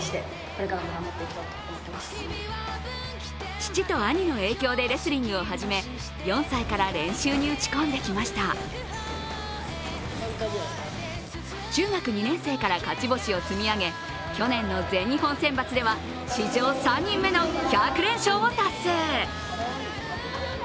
父と兄の影響でレスリングを始め４歳から練習に打ち込んできました中学２年生から勝ち星を積み上げ、去年の全日本選抜では史上３人目の１００連勝を達成。